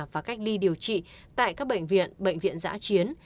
và cách ly điều trị tại các bệnh viện bệnh viện giã chiến